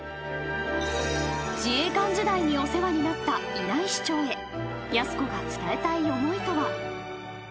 ［自衛官時代にお世話になったイナイ士長へやす子が伝えたい思いとは］